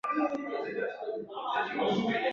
蜈蚣蛇螺为蛇螺科下的一个种。